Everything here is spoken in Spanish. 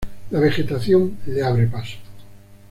La vegetación le abre paso.